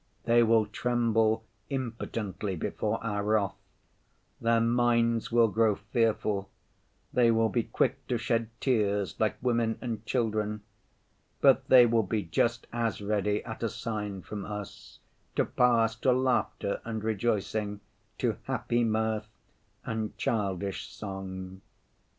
They will tremble impotently before our wrath, their minds will grow fearful, they will be quick to shed tears like women and children, but they will be just as ready at a sign from us to pass to laughter and rejoicing, to happy mirth and childish song.